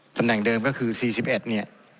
ตำแหน่งเดิมก็คือ๔๑